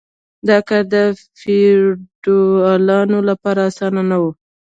دا کار د فیوډالانو لپاره اسانه نه و.